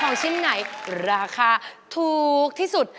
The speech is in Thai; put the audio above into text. ของชิ้นไหนราคาถูกที่สุด